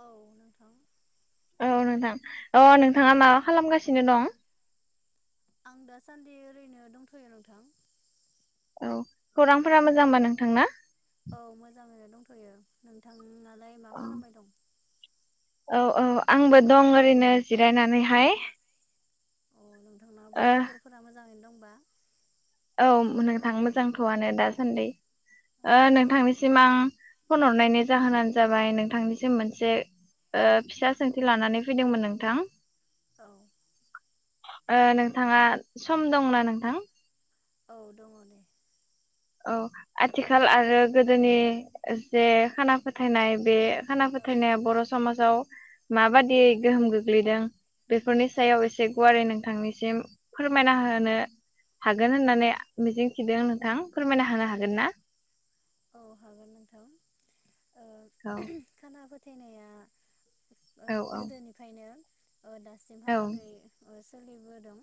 औ नोंथां। औ नोंथां अ नोंथाङा माबा खालामगासिनो दं? आं दासान्दि ओरैनो दंथयो नोंथां। औ खौरांफोरा मोजांबा नोंथांना? औ मोजाङैनो दं थयो नोंथाङा लाय मा खालामबाय दं औ औ आंबो दं ओरैनो जिरायनानैहाय माबा ओ खबरफोरा मोजाङैनो दं बा औ नोंथां मोजांथआनो दासान्दि नोंथांनिसिम आं फन हरनायनि जाहोनानो जाबाय नोंथांनिसिम मोनसे ओ फिसा सोंथि लानानै फैदोंमोन नोंथां औ ओ नोंथाङा सम दंना नोंथां औ दङ दे औ आथिखाल आरो गोदोनि जे खाना फोथायनाय बे खाना औ फोथायनाया बर' समाजाव माबादिवगोहोम गोग्लैदों बेफोरनि औ सायाव एसे गुवारै नोंथांनिसिम फोरमायना होनो हागोन होननानै मिजिंथिदों नोंथां फोरमायना होनो हागोन ना औ हागोन नोंथां औ थायनाया ओ औ औ गोदोनिफ्रायनो ओ औ दासिमहालागै ओ सोलिबोदों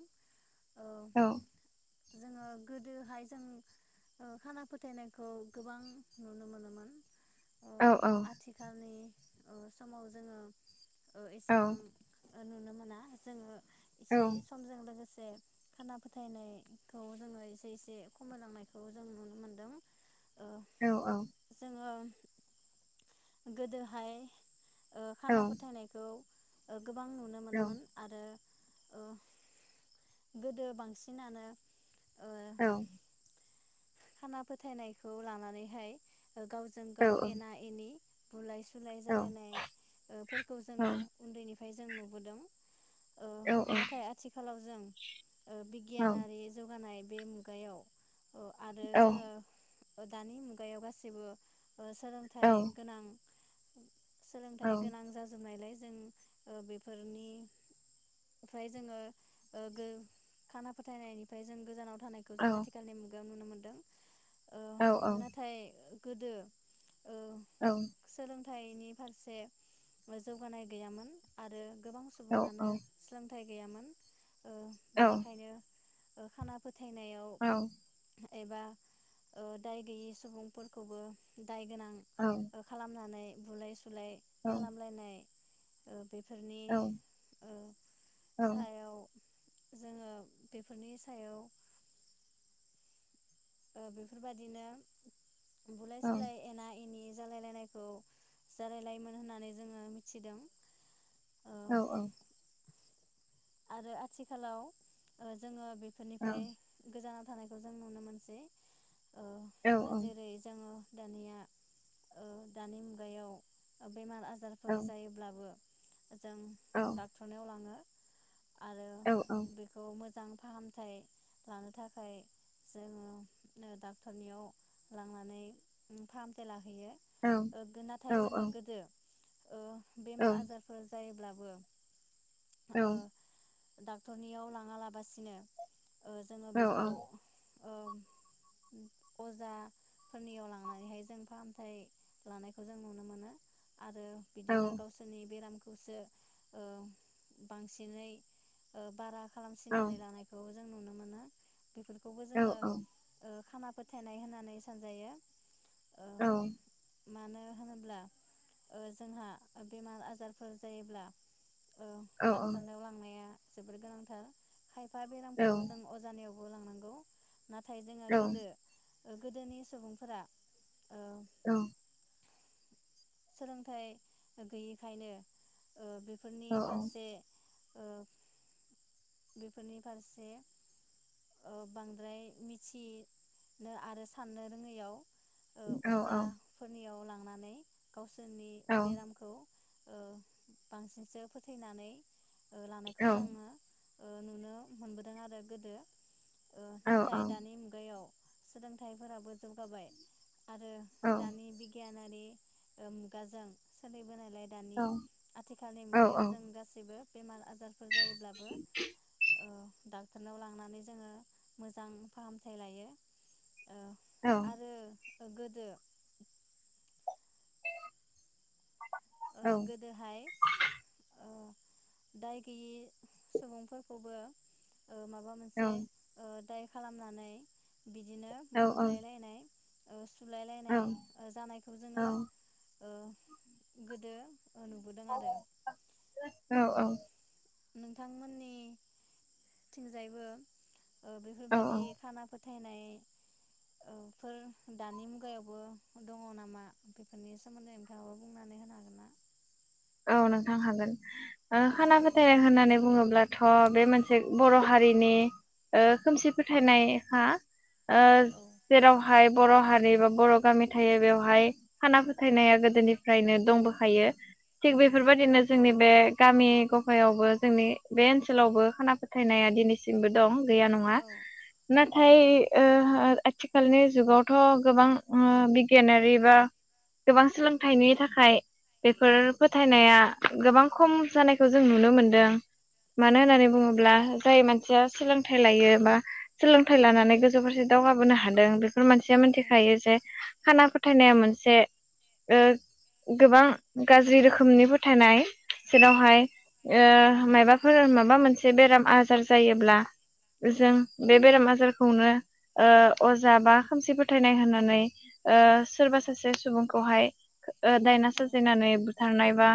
ओ औ जोङो गोदोहाय जों ओ खाना फोथायनायखौ गोबां नुनो मोनोमोन ओ औ आथिखालनि ओ समाव जोङो ओ औ एसेबां नुनो मोना जोङो औ इसे समजों लोगोसे खाना फोथायनायखौ जोङो एसे एसे खमायलांनायखौ जों नुनो मोनदों औ औ आ गोदोहाय ओ औ खाना फोथायनायखौ गोबां नुनो औ मोनोमोन आरो ओ गोदो बांसिनानो ओ औ खाना फोथायनायखौ लानानैहाय गावजों गाव एना एनि बुलाय सोलाय जालायनायफोरखौ जोङो उन्दैनि फाय जों नुबोदों औ नाथाय आथिखालाव जों ओ बिगियानारि जौगानाय बे मुगायाव अ आरो जोङो दानि मुगायाव गाससिबो सोलोंथाइ गोनां [inaudible] सोलोंथायाइ गोनां जाजोबनायलाय ओ बेफोरनिफ्रायनि जोङो ओ गो खाना फोथायनायनिफ्राय जों गोजानाव थानायखौ जों आथिखालनि मु याव नुनो मोनदों ओ नाथाय गोदो औ फाइनि फारसे जौगानाय गैयामोन आरो गोबां सुबुङानो सोलों फिथाय गैयामोन ओ औ बेनिखायनो ओ खाना फोथायनाय औ। एबा ओ दाय गैयि सुबुंफोरखौबो दाय गोनां औ ओ खालामनानै बुलाय सुल सुलाय औ खालामलायनाय ओ बे बोथोरनि औ ओ औ सायाव जोङो बेफोरनि सायाव ओ बेफोरबादिनो बुलाय औ सुलाय, एना एनि जालाय लायनायखौ जालायलायोमोन होननानै जोङो मिथिदों। औ औ। आरो आथिखालाव ओ जोङो औ बेफोरनिफ्राय गोजानाव थानायखौ जों नुनो मोनसै। औ ओ औ जेरै जोङो दानिया ओ दानि मुगायाव बेमार औ आजारफोर जायोब्लाबो जों डाक्टरनायाव लाङो। आरो बेखौ मोजां फाहामथाय लानो थाखाय जोङो ओ डाक्टरनियाव लांनानै फाहामथाय लाहै हैयो ओ नाथाय जोङो गोदो ओ बेमार आजारफोर जायोब्ला बो औ। डाक्टरनियाव लाङालाबासिनो ओ जोङो बेखौ ओ अजाफोरनियाव लांनानैहाय जों फाहामथाय लानायखौ जों नुनो मोनो। आरो बिदिनो गावसोरनि बेराम खौसो ओ बांसिन दिनै ओ बारा खालामसिननानै लानायखौ जों नुनो मोनो बेफोरखौबो जोङो ओ खाना फोथायनाय होननानै सानजायो। ओ मानो होनोब्ला ओ जोंहा बेमार आजारफोर जायोब्ला ओ दा [unintelligible] औ रनाव लांनाया जोबोर गोनांथार। खायफा औ बेरामखौ जों अजानियाव नाथाय जोङो गोदो ओ गोदोनि सुबुंफोरा ओ औ सोलोंथाइ गैयिखायनो ओ बेफोरनि फारसे ओ बेफोरनि फारसे ओ बांद्राय मिथि नो आरो साननो रोङैयाव ओ अजा फोरनि गावसोरनि बेरामखौ ओ बांसिनसो फोथैनानै ओ लानायखौ जोङो ओ नुनो मोनबोदों आरो गोदो ओ नाथाय दानि मुगायाव सोलोंथाइफोराबो जौगाबाय आरो दानि बिगिया [unintelligible] ओ मुगाजों सोलि बोनालाय दानि आथिखालनि मुगायाव जों गासिबो बेमारआ आजारफोर जायोब्लाबो ओ डाक्टारनाव लांनानै जोङो मोजां फाहामथाय लायो ओ औ आरो गोदो ओ गोदोहाय ओ दाय गैयि सुबुंफोरखौबो ओ माबा मोनसे ओ दाय खालामनानै बिदिनो औ औ ओस सुलाय लायनाय जानायखौ जोङो दो नुबोदों आरो औ नोंथांमोननिथिंजायबो बेफोरबादि खानाफोर फोथायनाय ओ फोर दानि मुगायावबो दङ नामा बेफोरनि सोमोन्दै नोंथाङाबो बुंनानै होनो हागोन ना? औ नोंथां हागोन खाना फोथायनाय होननानै बुङोब्लाथ बे मोनसे बर' हारिनि ओ खोमसि फोथायनायखा ओ औ जेरावहाय बर हारि बा बर गामि थायो बेवहाय खाना फोथायनाया गोदोनिफ्रायनो दंबोखायो थिग औ बेफोरबायदिनो जोंनि बे गामि गफायावबो जोंनि बे ओनसोलावबो खाना फोथायनाया दिनैसिमबो दं गैया नङा औ औ नाथाय ओ आथि खालनि जुगावथ' गोबां ओ बिगियानारि बा गोबां सोलोंथाइनि थाखाय बेफोर फोथायनाया गोबां खम जानायखौ जों नुनो मोनदों मानो होननानै बुङोब्ला जाय मानसिया सोलोंथाइ लायो बा सोलोंथाइ लानानै गोजौ फारसे दावगाबोनो हादों बेफोर मानसिया औ मिथिखायो जे खाना फोथायनाया मोनसे ओ गोबां गाज्रि रोखोम खोमनिबोथानाय औ जेरावहाय ओ मायबाफोर माबा मोनसे बेराम आजार जायोब्ला जों बे बेराम आजारखौनो ओ अजा बा खोमसि फोथायनाय होननानै ओ सोरबा सासे सुबुंखौहाय ओ दायना सारजिनानै बुद थानाय बा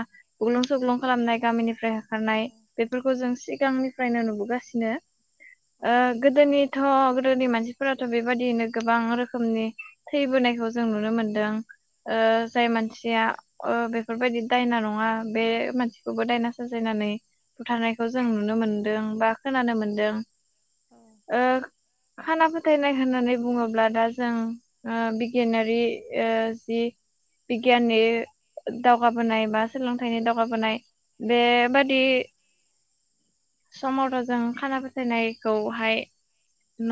बुग्लुं सुग्लुं खालामनाय गामिनिफ्राय हो खारनाय बेफोरखौ जों सि गांनिफ्रायनो नुबोगासिनो। ओ गोदोनि थ गोदोनि मानसिफोराथ बेबादियैनो गोबां रोखोमनि थैबोनायखौ जों नुनो मोनदों ओ जाय मानसिया ओ बे फोरबायदि दायना नङा बे मानसिखौबो दायना साजायनानै बुथारनायखौ जों नुनो मोनदों बा खोनानो औ मोनदों औ ओ खाना फोथायनाय होननानै बुङोब्ला दा जों ओ बिगियानारि ओ जि बिगियाननि दावगाबोनाय बा सोलोंथाइनि दावगाबोनाय बेराफारसे जोङो मैगं थाइगं गायनायनि राहाखौ जोङो सानगासिनो हगालासिनो लागासिनो अब्लाबो जोङो मानो होननानै बुङोब्ला जों जोंनि मिथिंगाया मोननो हागोन ना बेफोरबायदि बेबादि समावथा जों खाना फोथायनायखौहाय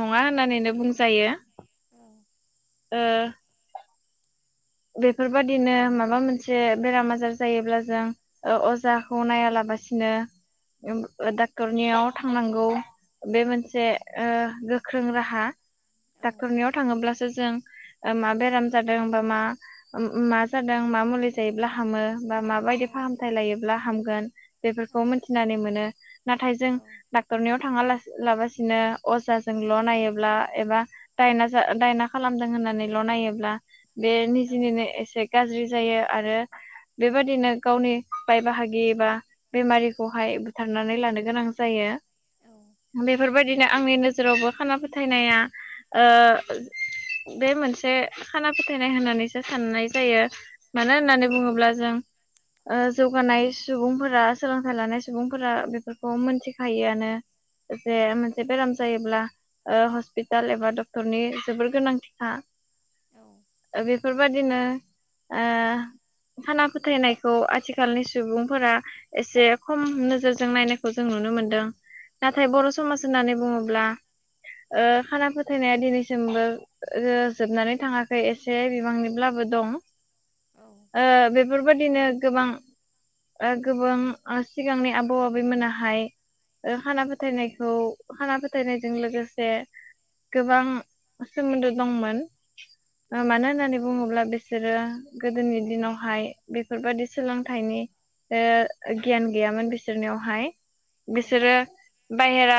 नङा होननानैनो बुंजायो। ओ बेफोरबादिनो माबा मोनसे बेराम आजार जायोब्ला जों ओ अजाखौ नायालाबासिनो उम ओ डाक्टरनियाव थांनांगौ बे मोनसे ओ गोख्रों राहा। डाक्टरनियाव थाङोब्लासोज जों ओ मा बेराम जादों बा मा ओ मा जादों मा मुलि जायोब्ला हामो बा माबायदि फाहामथाय लायोब्ला हा हामगोन बेफोरखौ मिथिनानै मोनो। नाथाय जों डाक्टरनियाव थाङा लासिन लाबासिनो अजा जोंल' नायोब्ला एबा दायना जा दायना खालामदों होननानैल नायोब्ला बेनि दिनैनो एसे गाज्रि जायो आरो बेबादिनो गावनि बाय बाहागि बा बेमारिखौहाय बुथारनानै लानो गोनां जायो। बेफोरबायदिनो आंनि नोजोरावबो खाना फोथायनाया ओ बे मोनसे खाना फोथायनाय होननानै साननाय जायो। मानो होननानै बुङोब्ला जों ओ जौगानाय सुबुंफोरा सोलोंथाइ लानाय सुबुंफोरा बेफोरखौ मोनथिखायोआनो जे मोनसे बेराम जायोब्ला ओ हस्पिटाल एबा डक्टरनि जोबोर गोनांथिखा। ओ बे फोरबायादिनो ओ खाना फोथायनायखौ आथिखालनि सुबुंफोरा एसे खम नोजोरजों नायनाय खौ जों नुनो मोनदों। नाथाय बर' समाज होननानै बुङोब्ला ओ खाना फोथायनाया दिनैसिमबो ओ जोबनानै थाङाखै एसे बांनिब्लाबो दं। ओ बे बेफोरबायदिनो गोबां ओ गोबां ओ सिगांनि आबौ आबैमोनाहाय ओ खाना फोथायनायखौ खाना फोथायनायजों लोगोसे गोबां सोमोन्दो दंमोन ओ मानो होननानै बुङोब्ला बिसोरो गोदोनि दिनावहाय बेफोरबादि सोलोंथाइनि ओ गियान गैयामोन बिसोरनियावहाय। बिसोरो बायहेरा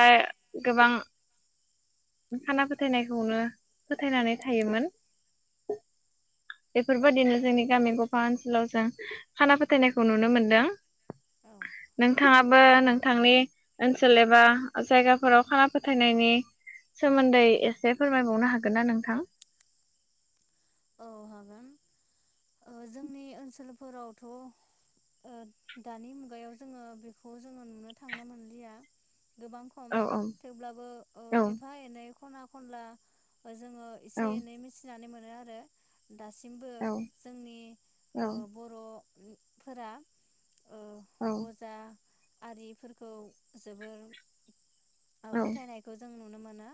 गोबां खाना फोथायनायखौनो फोथायनानै थायोमोन। बेफोरबायदिनो जोंनि गामि गफा ओनसोलाव जों खाना फोथायनायखौ नुनो मोनदों। नोंथाङाबो नोंथांनि ओनसोल एबा जायगाफोराव खाना फोथायनायनि सोमोन्दै एसे फोरमायबावनो हागोन ना नोंथां? औ हागोन ओ जोंनि ओनसोलफोरावथ' ओ दानि मुगायाव जोङो बेखौ जोङो नुनो थांनो मोनलिया गोबां औ खम औ थेवब्लाबो ओ औ एफा एनै खना खनला जोङो औ एसे एनै मिथिनानै मोन नो आरो दासिमबो औ जोंनि औ ओ बर' फोरा ओ औ अजा आरिफोरखौ जोबोर ओ औ फोथायनायखौ जों नुनो मानो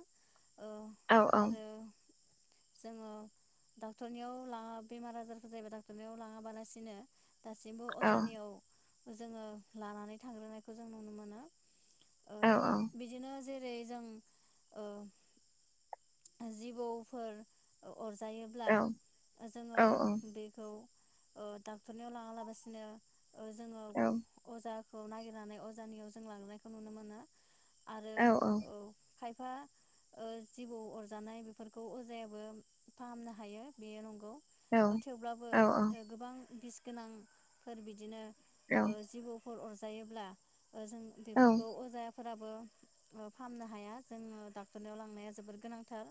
औ औ जोङो डक्टरनियाव लाङा बेमार आजारफोर जायोबा डाक्टरनियाव लाङाबालासिनो दासिमबो औ अजानियाव जोङो लानानै थांग्रोनायखौ जों नुनो मोनो ओ औ औ औ औ बिदिनो जे जेरै जों ओ जिबौफोर औ अरजायोब्ला औ ओ जोङो बेखौ ओ डाक्टरनियाव लाङालाबासिनो ओ जोङो अजा खौ नागिरनानै अजानियाव जों लांनायखौ नुनो मोनो आरो औ खायफा ओ जिबौ अर जानाय बेफोरखौ अजायाबो फाहामनो हायो बेयो नंगौ। ओ थेवब्लाबो ओ गोबां बिस गोनांफोर बिदिनो ओ जिबौफोर अरजा जायोब्ला ओजों बेफोरखौ अजा फोराबो फाहामनो हाया जोङो डाक्टरनियाव लांनाया जोबोर गोनां थार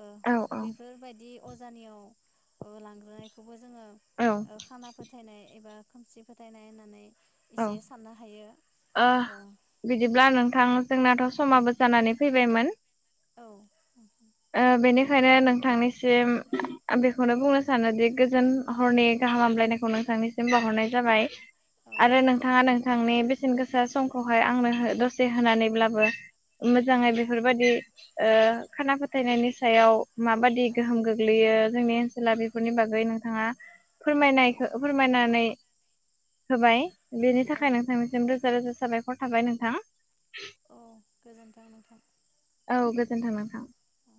ओ बेफोरबायदि अजानियाव ओ लांग्रोनायखौ बो जोङो औ ओ खाना फोथायनाय एबा खोमसि फोथायनाय होननानै औ एसे साननो हायो ओ बिदिब्ला नोंथां जोंनाथ' औ समाबो जानानै फैबायमोन औ ओ बेनिखायनो नोंथांनिसिम बेखौनो बुंनो सानोदि गोजोन हरनि गाहाम हामलायनायखौ नोंथांनिसिम बावहरनाय जाबाय। औ आरो नोंथाङा नों नोंनि बेसेन गोसा समखौहाय आंनो दसे होनानैब्लाबो मोजाङै बेफोरबादि ओ खाना फोथा फोथायनायनि सायाव माबादि औ गोहोम गोग्लैयो जोंनि ओनसोला बेफोरनि बागै नोंथाङा औ फोरमायनायखो फोरमायनानै होबाय बेनि औ थाखाय नोंथांनिसिम रोजा रोजा साबायखर थाबाय नोंथां। औ गोजोन्थों नोंथां। औ गोजोन्थों नोथां। औ